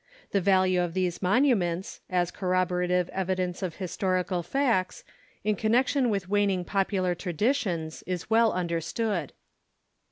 The value of these monuments, as corroborative evidence of historical facts, in connection with waning popular traditions, is well understood.